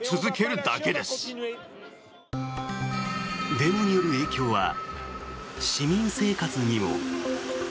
デモによる影響は市民生活にも。